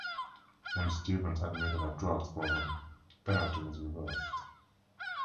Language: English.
When Stevens admitted a drugs problem, the penalty was reversed.